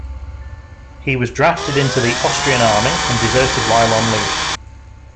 He was drafted into the Austrian Army, and deserted while on leave.